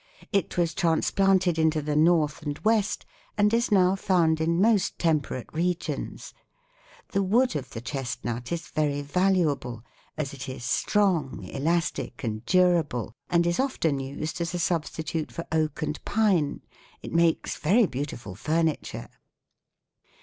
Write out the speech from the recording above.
It was transplanted into the North and West, and is now found in most temperate regions. The wood of the chestnut is very valuable, as it is strong, elastic and durable, and is often used as a substitute for oak and pine. It makes very beautiful furniture."